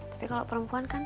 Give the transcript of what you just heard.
tapi kalau perempuan kan